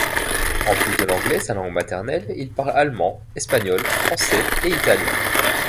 En plus de l'anglais, sa langue maternelle, il parle allemand, espagnol, français et italien.